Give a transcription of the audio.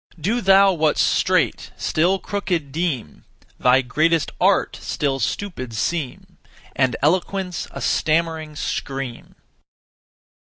Do thou what's straight still crooked deem; Thy greatest art still stupid seem, And eloquence a stammering scream.